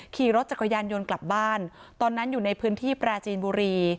ขี่รถจักรยานยนต์กลับบ้านตอนนั้นอยู่ในพื้นที่ปราจีนบุรี